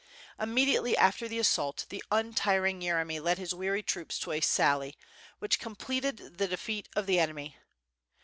Immediately after the assault the untiring Yeremy led his weary troops to a sally, which completed the defeat of the enemy.